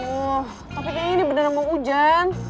woh tapi kayaknya ini beneran mau hujan